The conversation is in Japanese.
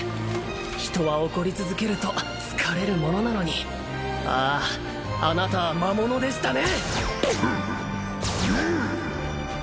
人は怒り続けると疲れるものなのにあああなたは魔物でしたね